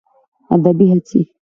ادبي هڅې